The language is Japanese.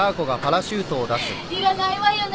いらないわよね